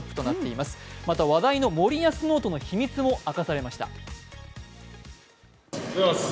また、話題の森保ノートの秘密も明かされました。